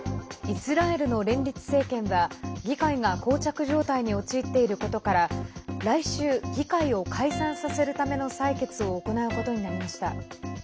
イスラエルの連立政権は議会が、こう着状態に陥っていることから来週、議会を解散させるための採決を行うことになりました。